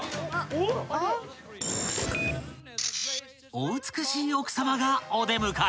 ［お美しい奥さまがお出迎え］